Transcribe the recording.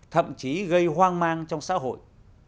thậm chí gây hoang mang trong xã hội